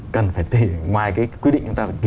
cần phải ngoài quy định chúng ta